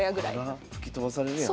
ワラ吹き飛ばされるやん。